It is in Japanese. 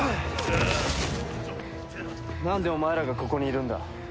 なんでお前らがここにいるんだ？